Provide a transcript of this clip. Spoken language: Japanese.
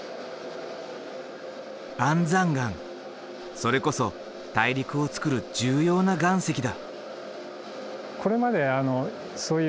それこそ大陸をつくる重要な岩石だ。